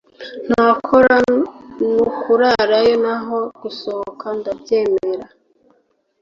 ntakora nukurarayo naho gusohoka ndabyemera"